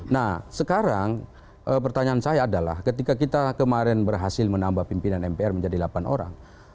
nah sekarang pertanyaan saya adalah ketika kita kemarin berhasil menambah pimpinan mpr menjadi delapan orang